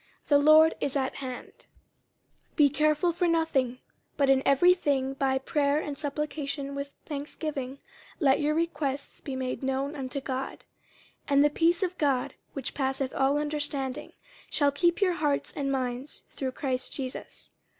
The Lord is at hand. 50:004:006 Be careful for nothing; but in every thing by prayer and supplication with thanksgiving let your requests be made known unto God. 50:004:007 And the peace of God, which passeth all understanding, shall keep your hearts and minds through Christ Jesus.